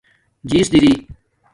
جیس دری